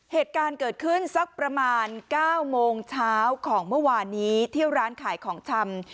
เหตุการณ์เกิดขึ้นสักประมาณ๙โมงเช้าของเมื่อวานนี้ที่ร้านขายของชำ